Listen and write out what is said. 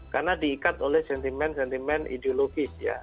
karena diikat oleh sentimen sentimen ideologis ya